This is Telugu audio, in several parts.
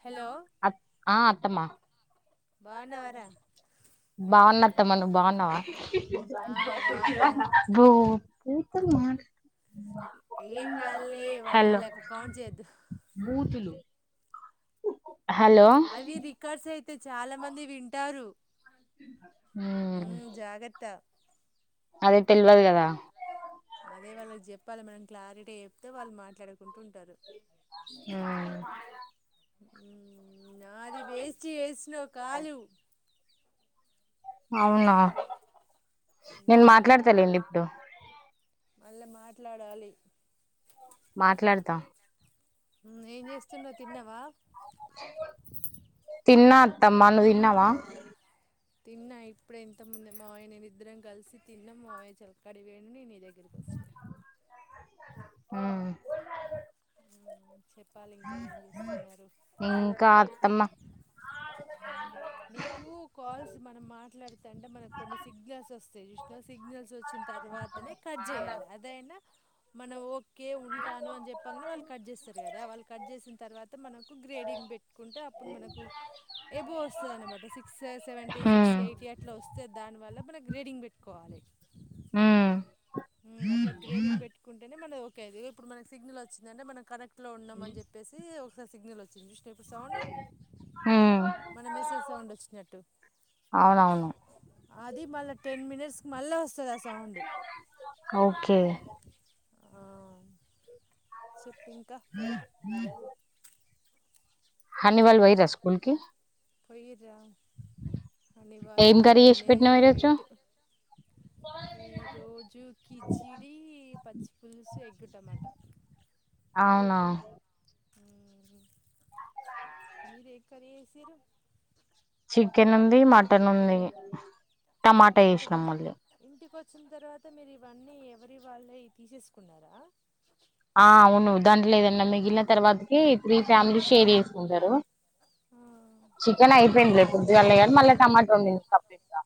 హలో అ ఆ అత్తమ్మ బాగున్నావారా బావున్న అత్తమ్మ నువ్వు బాగున్నావ ఆ బాగున్నా బు [unintelligible] ఏం కాదులే వాళ్ళన్ లెక కౌంట్ చేయొద్దు చులు అవి రికార్డ్స్ అయితై చాలా మంది వింటారు హ్ మ్ ఉమ్ జాగ్రత్త అదే తెల్వదు కదా అదే వాళ్ళక్ చెప్పాలి మనం క్లారిటీ చెప్తే వాళ్ళు మాట్లాడుకుంటూ ఉంటారు మ్ మ్ నాది వేస్ట్ చేసినవ్ కాలు అవునా నేను మాట్లాడతాలేండి ఇప్పుడు మళ్ళ మాట్లాడాలి. మాట్లాడ్తా ఏం చేస్తున్నవ్ తిన్నావా తిన్న అత్తమ్మ నువ్వు తిన్నవా తిన్న ఇప్పుడే ఇంతముందే మామయ్య నేను ఇద్దరం కలిసి తిన్నం మావయ్య చెలకాడి పోయిండు నేను నీ దగ్గర్ వచ్చిన ఆ చెప్పాలి ఇంకా ఏం చేస్తున్నారు. ఇంకా అత్తమ్మ నీకు కాల్స్ మనం మాట్లాడితే అంటే మనకు కొన్ని సిగ్నల్స్ వస్తాయి చూసినవా సిగ్నల్స్ వచ్ వచ్చిన్ తర్వాతనే కట్ చేయాలి అదైనా మనం ఓకే ఉంటాను అని చెప్పంగనే వాళ్ళు కట్ చేస్తారు కదా వాళ్ళు కట్ చేసిన తర్వాత మనకు గ్రేడింగ్ పెట్టుకుంటే అప్పుడు మనకు ఎబో వస్ దన్నమాట six seventy hmm sixty eighty అట్లా వస్తే దాని వల్ల మనం గ్రేడింగ్ పెట్టుకొ కోవాలి. మ్మ్ ఉ అట్ల గ్రేడింగ్ పెట్టుకుంటేనే మన ఇగో ఇప్పుడు మనకి సిగ్నల్ వచ్చిందంటే మనం కనెక్ట్ ఇంట్లో ఉన్నాం అని చెప్పేసీ ఓస్ సిగ్నల్ వచ్చింది చూస్ పేపర్ సౌండ్ మ్మ్ మన మెసేజ్ సౌండ్ వచ్చినట్టు అవునవును అది మళ్ళ టెన్ మినిట్స్ కి మళ్ళ వస్తది ఆ సౌండ్ ఓకే ఆ..... చెప్ ఇంకా హనీ వాళ్ళు పోయిరా స్కూల్ కి పొయ్యిరు రా హనీ వాళ్ళు ఏం కర్రీ చేసి పొద్దున్నే పెట్టినావు ఈరోజు ఎయిట్ ఈరోజు కిచిడి పచ్చిపులుసు ఎగ్ టమోటా అవునా మీరు ఏ కర్రీ చేసిరు చికెన్ ఉంది మట్ టన్ ఉంది టమాట ఏసినం మళ్ళీ చున్ తర్వాత మీరు ఇవన్నీ ఎవరి వాళ్ళే తీసేసుకున్నారా ఆ అవును దాంట్లేదన్న మిగిలిన తర్వాత ఈ త్రీ ఫ్యామిలీ షేర్ చేసుకుంటారు, చికెన్ అయిపోయింది పొద్దుగాల్నే గాని మళ్ళా టమాటా [unintelligible]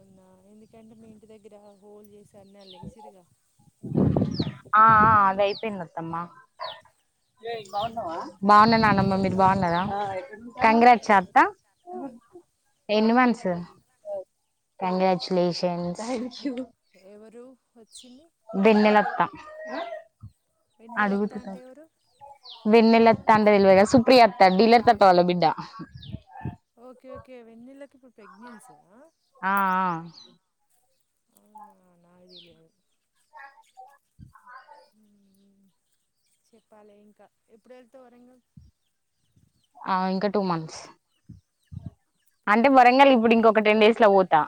న్నా ఎందుకని మీ ఇంటి దగ్గర హోల్ జేసి ఆ ఆ అదయిపోయిందన్ తమ్మా బాగున్న ఇంకా నానమ్మ మీరు బాగున్నరా కంగ్రాట్స్ అత్త ఎన్ని మంత్స్ కంగ్రాట్యులేషన్స్ శివు ఎవరు వచ్చింది అ వెన్నలత్త అంటెవరు వెన్నెల అత్త అంటె తెల్వదు గాని సుప్ ప్రియాత్త డీలర్ తాత వాళ్ల బిడ్డ ప్రెగ్నెన్సా ఆ ఆ అవునా నాకు దెలియదు చెప్పాలి ఇంకా ఎప్పుడెల్తావ్ వరంగల్ ఆ ఇంకా టూ మంత్స్ అంటే మనసులో వరంగల్ ఇప్పుడు ఇక్కడే ఇంకొక టెన్ డేస్ లో పోతా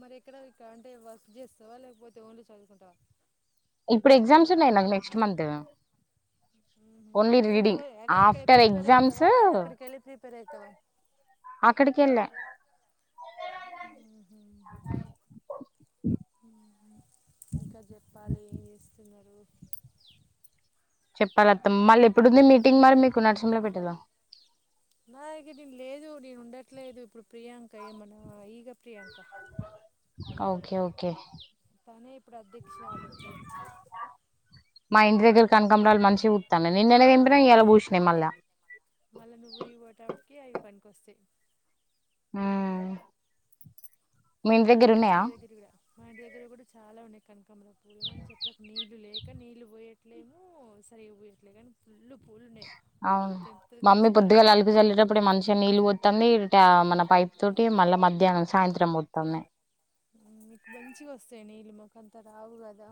మరి ఎక్కడ ఇక్కడ అంటే వర్క్ చేస్తావా లేకపోతే ఓన్లీ చదువుకుంటావా ఇప్పుడు ఎగ్జామ్స్ ఉన్నయ్ నాకు నెక్స్ట్ మంత్ ఊ ఓన్లీ రీడింగ్ సింపుల్ అదే ఇక్కడ ఆఫ్టర్ ప్రిపేర్ ఎగ్జామ్స్ అయితవా అక్కడికెళ్లి ప్రిపేర్ అయిత్ త్తవ అక్కడికెల్లే ఇంకా చెప్పాలి ఏం చేస్తున్నారు చెప్పాలి అత్తం మళ్ళీ ఎప్పుడుంది మీటింగ్ మరి మీకు నరసంలో పెట్టాల నా ఇక నీను లేదు నేను ఉండట్లేదు ఇప్పుడు ప్రియాంక ఏమన్నా ఈగ ప్రియాంక ఓకే ఓకే తనే ఇప్పుడు అధ్యక్షురాలు మా ఇంటి దగ్గర కనకాంబరాలు మంచిగా పుత్తన్నయ్ నిన్ననే తెంపిన ఇయ్యాలా పుసినయి మళ్ళ మళ్ళా నువ్వూరికి వొయాటల్ కి అవి పనికి అస్తయి ఆ మా ఇంటి దగ్గర లా మా ఇంటి దగ్గర గుడ చాలా ఉన్నాయి కన్ కమర పూలుగాని చెట్లకు నీళ్లు లే ఇంకా నీళ్ళు పోయట్లేమో సరిగగా పోయట్లేదు కానీ ఫుల్లు పూలు ఉన్నాయి అవును తెంపుతుంది మమ్మీ కావచ్చు ఇప్పుడు పొద్దుగాల అమ్మమ్మ అలుకు చల్లిలేటప్పుడే మనిషిగా నీళ్లుు పోతంది గా మన పైపు తోటి మళ్ళా మధ్యాహ్నం సాయంత్రం పోతంది మీకు మంచిగా వస్తాయి నీళ్ళ మొక అంతా రావు కదా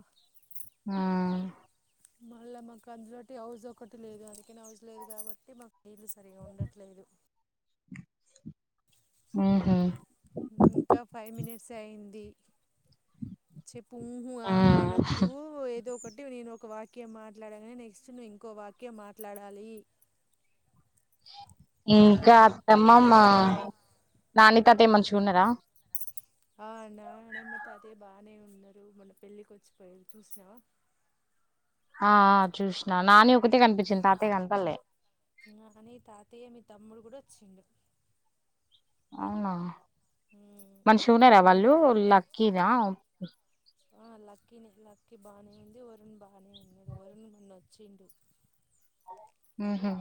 ఆ మళ్ళీ మాకు అందులోటి హౌజ్ ఒకటి లేదు అందుకనే హౌజ లేదు కాబట్టి మాకు నీళ్లు సరిగా ఉండట్లేదు మ్ హు ఇంకా ఫైవ్ మినిట్స్ అయ్యేందీ పూహ ఆహా ఉమ్ అనద్దు ఏదో ఒకటి నేను ఒక వాక్యం మాట్లాడగానే నెక్స్ట్ నువ్వు ఇంకో వాక్యం మాట్లాడాలి ఇంకా అత్తమ్మ మా నాని తాతయ్య మంచిగా ఉన్నారా ఆ అ నానమ్మతో అదే బాగానే ఉన్నారు మొన పెళ్ళికి వచ్చిపోయారు చూసినావా ఆ చూసినా నాని ఒకతే కనిపించింది తాతయ్య కనపాల్లె నాని తాతయ్య మీ తమ్ముడు కూడా వచ్చిడు అవునా మా మంచిగున్నర తమ్ముని వాళ్ళు కొడుకు లక్కీనా ఆ లక్కకి లక్కకి బాగానే ఉంది వరు్ బాగానే ఉంది వచ్చిండు ఆహా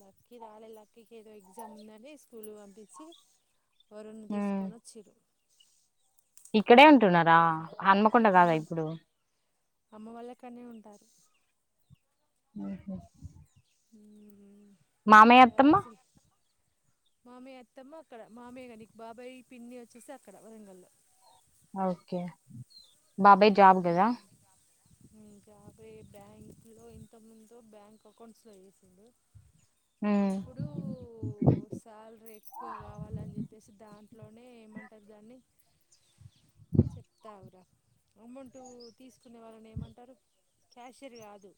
లక్కకి రాలే లక్కీకి ఏదో ఎగ్జామ్ ఉందని స్కూల్ పంపించి వరెు ఉమ్ తీసుకొని వచ్చరు ఇక్కడే ఉంటున్నారా హన్మకొండ ఆ కాదా ఇప్పుడు అమ్మ వాళ్ళకనే ఉంటారు ఆహా హ మామయ్య అత్తమ్మ మామయ్య అత్తమ్మ అక్కడ మామయ్య కానీ బాబాయ్ పిన్ని వచ్చేసి అక్కడ వరంగల్లో ఓకే బాబాయ్ జాబ్ కదా ంకాబ బ్యాంక్ లో ఇంత ముందు బ్యాంక్ అకౌంట్స్ లో చేసిడు ఉమ్ ఇప్పుడు శాలరీ ఎక్కువ కావాలని చెప్పేసి దాంతో అంటే ఏమంటరు దాన్ని చెప్తా ఆగుర అమౌంట్ తీసుకో ఆ వాళ్ని ఏమంటారు క్యాషియర్ కాదు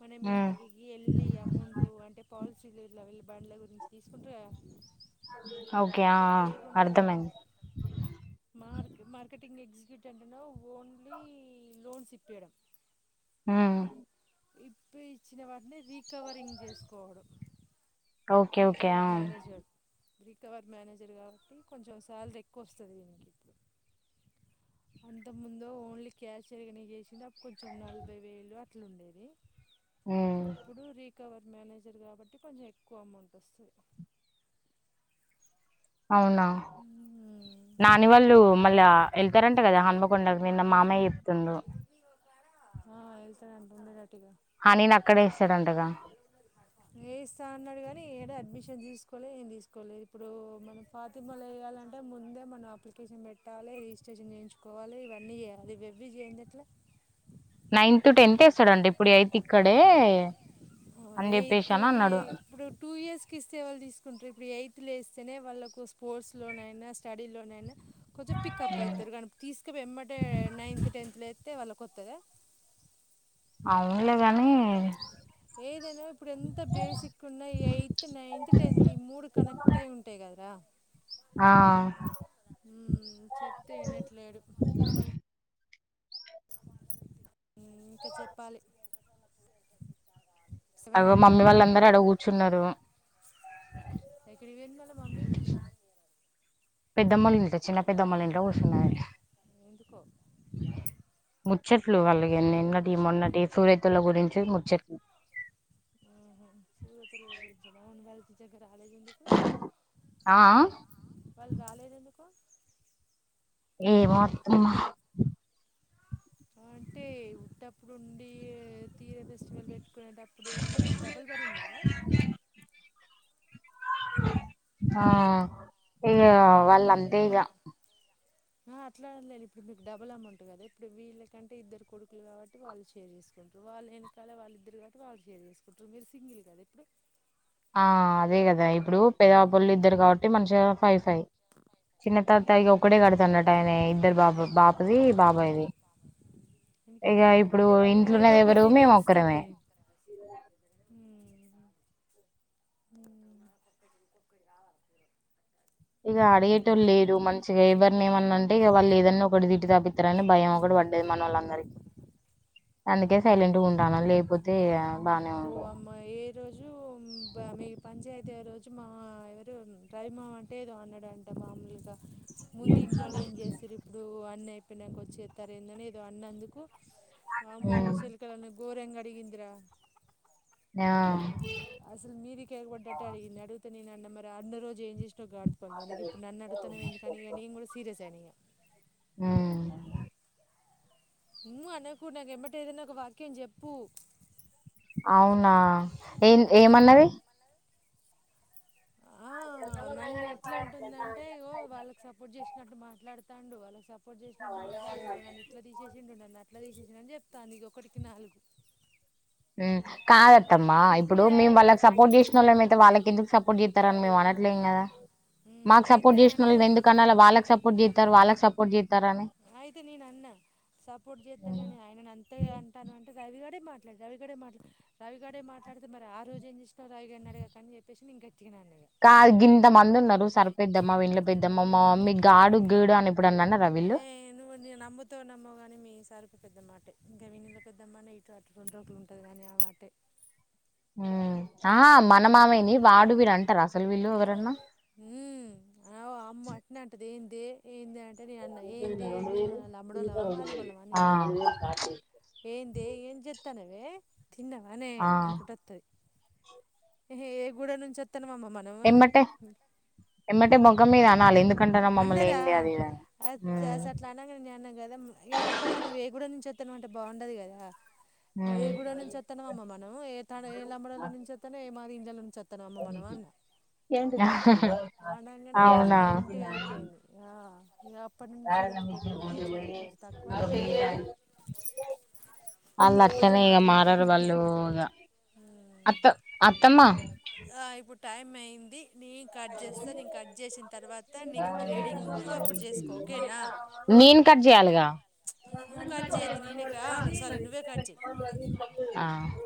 మన ఉమ్ ఇంటికికి ఎల్లీ అమౌంట్ అంటే పా చిల్లూర్లో వెళ్లి బండ్ల గురించి తీసుకుంటర్ గదా ఓకే ఆ ఆ అర్థమైంది మార్ మార్కెటింగ్ ఎక్స్క్యూట్ అంటనా ఓన్లీ తిపియడం హుమ్ ఇప్పి ఇచ్చిన వాటిని రీకవరింగ్ చేసుకోవడం ఓకే ఓకే ఆ రీకవర్ మేనేజర్ కవర్ మేనేజర్ కాబట్టి కొంచెం సాలరీ ఎక్కువ వస్తది ఈయనిక్ ఇప్పుడు అంతముందు ఓన్లీ క్యాషియర్ గానే చేసి కొంచెం నలభై వేలు అట్లా ఉండేది. ఉమ్ ఇప్పుడు రీ రీకవర్ మేనేజర్ కాబట్టి కొంచెం ఎ ఎక్కువ అమౌంట్ వస్తది అవునా నాని వాళ్ళు మళ్ళా ఎళ్తరన్ కదా హనుమకొండకు నిన్న మామయ్య చెప్తుండు ఆ ఎళ్తా డంట ఆ నేను అక్కడ ఏస్తాడంటగా వేయిస్తా అన్నాడు కానీ ఏడ అడ్మిషన్ తీసుకోలే ఏం తీసుకోలేదు ఇప్పుడు మనం పాతిమలై వేయాలంటే ముందే మనం అప్లికేషన్ పెట్టాలే రిజిస్ట్రేషన్ చేయించుకోవాలి ఇవన్నీ చేయంది ఎట్ల నైన్త్ టెన్త్ ఎస్తాడండి ఇప్పుడు ఎయిత్ ఇక్కడే అని చెప్పేసి ఎయిత్ అని ఈ అన్నాడు ఇప్పుడు టూ ఇయర్స్ కి ఇస్తే ఎవళ్ళు తీసుకుంటారు ఇప్పుడు ఎయిత్ లో ఏస్ ఎస్తేనే వాళ్ళకు స్పోర్ట్స్లోనైనా స్టడీలోనైనా కొంచెం పికప్ అయ్తారు కానీ తీసుకపోయి వెంబటే నైన్త్ టెన్త్ అత్తేవాల కొత్తదా అవునులే గాని ఏదైనా ఇప్పుడు ఎంత బేసిక్ ఉన్నా ఎయిత్ నైన్త్ టెన్త్ ఈ మూడు కనెక్ట్ అయి ఉంటాయి గదా ఆ హుమ్ చెప్తే వినట్లేడు ఇంక చెప్పాలి సెవెన్ అగొ మమ్మీ అయితాంది వాళ్ళందరు అడ కూర్చున్నారూ ఎక్కడికి పోయింది మళ్ళ మమ్మీ పెద్దమోల్ ఇం చిన్న పెద్దమోల్ ఇంట్లో కూసుననిగ ఎందుకో ము ముచ్చట్లు వాళ్ళు ఇగ నిన్నటి మొన్నటి సూరేతుల గురించి ముచ్చట్లు హుమ్ హు సూరేతమాల్ గురించ ఆ రాలేదు ఎందుకు ఆ వాళ్ళు రాలేదు ఎందుకు ఏ మొ అత్తమ్మ అంటే ఉటిటప్పుడు ఉండి తీర ఫెస్టివల్ కునేటప్పుడు అంటే మీకు డబలు పడిధార ఆ ఇగ వళ్ళ అంతే ఇగ అట్లాలేను ఇప్పుడు మీకు డబుల్ అమౌంట్ కదా ఇప్పుడు వీళ్ళకంటే ఇద్దరు కొడుకులు కాబట్టి వాళ్ళు షేర్ చేసుకుంటారు వాళ్ళు వెనకాలే వాళ్ళ ఇద్దరు కాబట్ వాళ్ళు షర్ చేసుకుంటారు మీరు సింగిల్ కదా ఇప్పుడు. ఆ అదే కదా ఇప్పుడు పెద్ద వాళ్ళు ఇద్దరు కాబట్టి మనిషి. ఫైవ్ ఫైవ్ చిన్న తాత ఉమ్ ఒక్కటే కడుతున్నటు ఆయన ఇద్దరు బాబు. బాపుది బాబాయ్ ది. ఇనికి అంటే వాళ్ళకి ఏదో ఎవరు ఒకటి ఇది మేము ఒక్కరమే తెచ్చుస్తారులే. హు. ఇగ అడిగేటోలు లేరు మంచిగా ఎవరిని ఏమన్నాంటే ఇగ వాళ్ళు ఏదన్నా ఒకటి తిట్టి తాపిస్తారని భయం ఒకటి పడ్డది మన వాళ్ళందరికీ. అందుకే సైలెంట్గా ఉంటాను లేకపోతే బాగానే ఉంది ఈ రోజు మీ పంచాయతీ రోజు మా ఎవరు రైమా అంటే ఏదో అన్నాడు అంట మామూలుగా ముందు ఇన్నిరోజులు ఏం చేసినారు ఇప్పుడు అన్న అయిపోయినాక వచ్చేస్తారు ఏందని ఏదో అన్నందుకు అమో ఉమ్ చెల్క అనే గోరంగడిగింద్రా ఆ అసలు మీదికి ఎగ పడ్డట్టు అడిగింది అడుగు నేను అన్న మరి అన్న రోజు ఏం చే ఇడు అకి ఇప్పుడు నన్ను అడుతునావ ఎంది అని నేను కూడా సీరియసయినా ఉమ్ ను అనకు నాక ఎమట ఏదనా ఒక వాక్యం చెప్పు అవునా ఏం ఏమన్నది ఆ నన్ను ఎట్లాంటుందంటే ఇగో వాళ్ళకి సపోర్ట్ చేసినట్టు మాట్లాడుత ఉండు వాళ్ళకి సపోర్ట్ చేసినట్టు మాట్లాదిండు నన్న ఇట్లా తీసేసిండు నన్నుట్లా తీసేసింది అని చెబుతుంది ఒకడికి నాలుగు ఉమ్ కాదత్తమ్మా ఇప్పుడు మేము వాళ్ళకి ఇస్తారని మేము అనట్లేం కదా ఉమ్ మాకు సపోర్ట్ అయితే అంటే చేసినోళ్ళు ఎందుకనాల వాళ్ళకి సపోర్ట్ చేస్తారు వాళ్ళకి సపోర్ట్ చేస్తారు అయితే నేన అన్న సపోర్ట్ ఉమ్ చేస్తానని ఆయన అంతే అంటాను అంటే రవిగాడే మాట అట్లా రవిగడే మాట్లా రవిగడే మాట్లాడితే మరి ఆ రోజు ఏం చేసినవు రవిగాన్ని అఅడగకుండా అని చెప్పేసి నేను గట్టిగా అన్న కా గింత మంది ఉన్నారు సరిపోద్దమా వింల పెద్దమా మా మమ్మీ గాడు గీడు అని ఎప్పుడన్నా అన్నారా వీళ్ళు ఏ నువ్వు నమ్ముతవో నమ్మవో కాని మీ సరిపో పెద్ద మాటే ఇంకా వీని పెద్దమ్మానే వినితొ ఎట్లా ఉండాలో అట్లుంటాది కానీ ఆమె అటే ఆ ఆ మన మామయ్యని వాడు వాడు అంటార అసలు వీళ్ళు ఎవరన్నా హ అ అమ్మ అట్నే అంటది ఏంది ఎ ఏంది తాను అంటే నిను అన్న ఏందె ఏందె మనం లమ్మడోల్లమా మాదిగళ్లమా అని ఆ అన్న ఏందె ఏం చెత్తాన్నావే తిన్నావానే ఆ అనుకుంటా వత్తది ఏహె ఎగుడెం నుంచి వ ఇస్తానవమ్మ మనము అన్నా తమ్మాయ అనాలి ఎందుకు అన్నారా అ అసలు అట్లా అనకండి అన్నా కదా నిను ఒక్కదాన్ని ఎ గుడ నుంచి వ ఇత్తనం అంటే బాగుండది కదా ఏ గుడెం నుంచి వత్తన్నవ్ అమ్మ మనం ఏ తండా ఏ లంబడల్ల నుంచి వత్తన్నం ఏ దీంట్లో ముంచామ్ ఏంటి ఆడంగానే ఇక అవునా సైలెంట్గా అయిపోయింది ఆ మ్యాప్ కారంగా తక్కువనే అనిపించింది అల్ తక్కువనే అట్లనే ఈగ మారరు మాట్లాడుతుంది వాళ్ళు ఇగ అత్త అత్తానే మ్మా ఆ ఇప్పుడు టైం అయ్యంది నేను కట్ చేస్తా నేను కట్ చేసిన తర్వాత నీకు గ్రేడింగ్ నువ్వు అప్పుడు చేసుకో ఓకేనా నేను కట్ చేయాలిగా నువ్వు కట్ చేయొద్దు నేనకా నువ్ సారీ నువ్వే కట్ చేయ్ ఆ